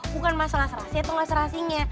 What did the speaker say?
bukan masalah serasi itu gak serasinya